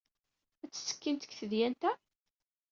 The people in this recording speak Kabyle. Ad tettekkimt deg tedyant-a?